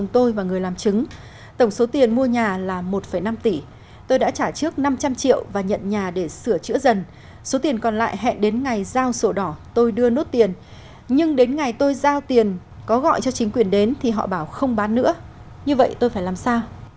tổng số tiền mua nhà là một năm tỷ tôi đã trả trước năm trăm linh triệu và nhận nhà để sửa chữa dần số tiền còn lại hẹn đến ngày giao sổ đỏ tôi đưa nốt tiền nhưng đến ngày tôi giao tiền có gọi cho chính quyền đến thì họ bảo không bán nữa như vậy tôi phải làm sao